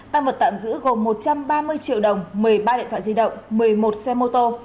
tăng vật tạm giữ gồm một trăm ba mươi triệu đồng một mươi ba điện thoại di động một mươi một xe mô tô